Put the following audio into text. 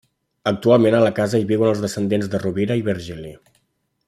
Actualment a la casa hi viuen els descendents de Rovira i Virgili.